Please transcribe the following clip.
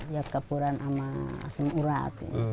jat kapuran sama asin urat